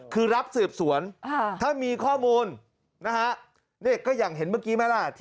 คือรับสืบสวนถ้ามีข้อมูลนะฮะนี่ก็อย่างเห็นเมื่อกี้ไหมล่ะ